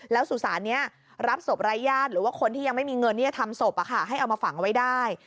แล้วสุสานนี้รับศพรายญาติหรือว่าคนที่ยังไม่มีเงินที่จะทำศพให้เอามาฝังไว้ได้